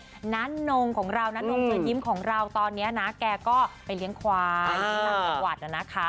วันนี้น้านนงของเราน้านนงเตือนยิ้มของเราตอนนี้นะแกก็ไปเลี้ยงขวายที่นั่งประวัตินะนะคะ